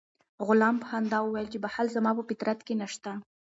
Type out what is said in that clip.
غلام په خندا وویل چې بخل زما په فطرت کې نشته.